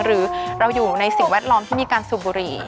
หรือเราอยู่ในสิ่งแวดล้อมที่มีการสูบบุหรี่